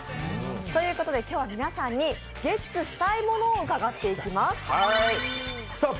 ということで皆さんにゲッツしたいものを伺っていきます。